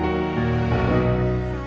kamu sama amin